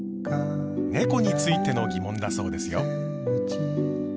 ねこについての疑問だそうですよ。